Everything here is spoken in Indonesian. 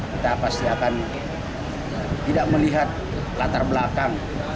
kita pasti akan tidak melihat latar belakang